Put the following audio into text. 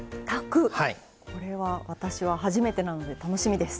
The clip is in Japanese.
これは私は初めてなので楽しみです。